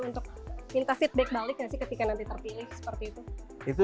untuk minta feedback balik nggak sih ketika nanti terpilih seperti itu